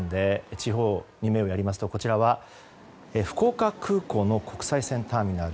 地方に目をやりますと福岡空港の国際線ターミナル。